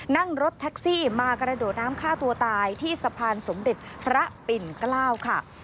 นั่งรถแท็กซี่มากระโดดน้ำฆ่าตัวตายที่สะพานสมเด็จพระปิ่นเกล้าค่ะ